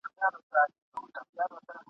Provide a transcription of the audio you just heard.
له منظور پښتین سره !.